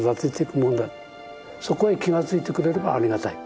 そこへ気が付いてくれればありがたい。